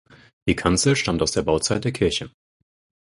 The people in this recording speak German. Die Kanzel stammt aus der Bauzeit der Kirche.